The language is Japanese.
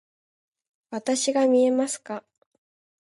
わたしが見えますか？